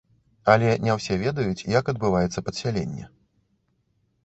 Але не ўсе ведаюць, як адбываецца падсяленне.